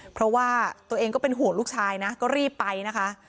เพราะว่าตัวเองก็เป็นห่วงลูกชายนะก็รีบไปนะคะ